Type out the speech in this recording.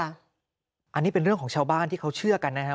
อันนี้เป็นเรื่องของชาวบ้านที่เขาเชื่อกันนะครับ